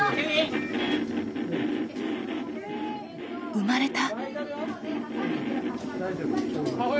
生まれた！